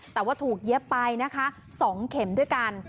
แต่ว่าถูกเย็บไปนะคะ๒เข็มด้วยกัน